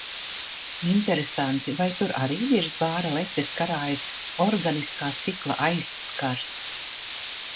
Interesanti, vai tur arī virs bāra letes karājas organiskā stikla aizskars?